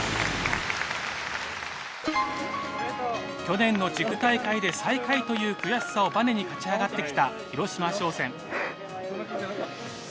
去年の地区大会で最下位という悔しさをばねに勝ち上がってきた広島商船。